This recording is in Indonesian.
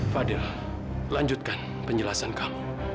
fadil lanjutkan penjelasan kamu